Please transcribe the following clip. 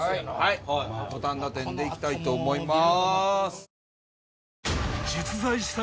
五反田店でいきたいと思います。